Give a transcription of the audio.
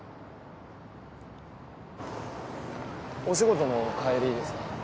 お仕事の帰りですか？